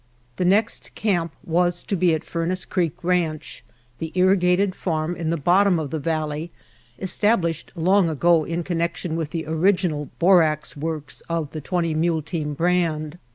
The next camp was to be at Furnace Creek Ranch, the irrigated farm in the bottom of the valley established long ago in connection with the original borax works of the Twenty Mule Team brand.